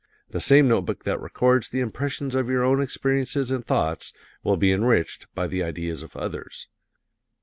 The same note book that records the impressions of your own experiences and thoughts will be enriched by the ideas of others.